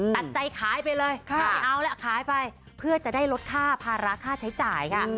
ตัดใจขายไปเลยเพื่อจะได้ลดค่าภาระค่าใช้จ่ายค่ะ